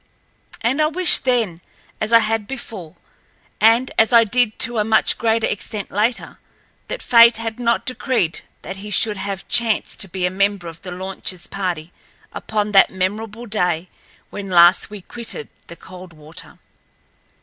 And I wished then, as I had before, and as I did to a much greater extent later, that fate had not decreed that he should have chanced to be a member of the launchl's party upon that memorable day when last we quitted the Coldwater.